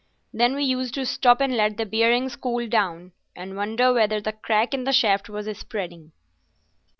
Then we used to stop and let the bearings cool down, and wonder whether the crack in the shaft was spreading."